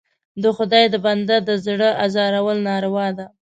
د خدای د بنده د زړه ازارول ناروا ده.